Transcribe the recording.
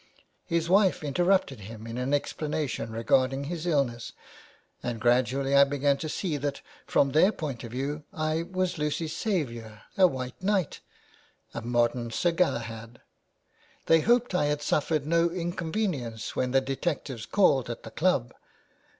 His wife interupted him in an explanation regarding his illness, and gradually I began to see that, from their point of view, I was Lucy's saviour, a white Knight, THE WAY BACK. a modern Sir Galahad. They hoped I had suffered no inconvenience when the detectives called at the Club.